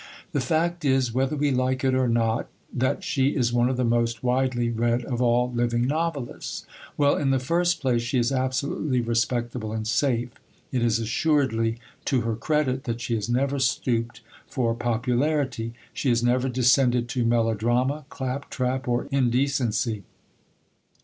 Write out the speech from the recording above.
The fact is, whether we like it or not, that she is one of the most widely read of all living novelists. Well, in the first place, she is absolutely respectable and safe. It is assuredly to her credit that she has never stooped for popularity. She has never descended to melodrama, clap trap, or indecency.